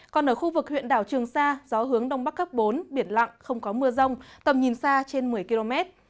còn ở khu vực huyện đảo trường sa gió hướng đông bắc cấp bốn biển lặng không có mưa rông tầm nhìn xa trên một mươi km